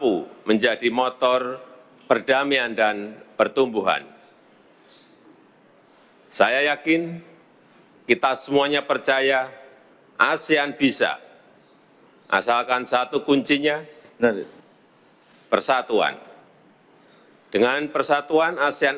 untuk menyampaikan pandangannya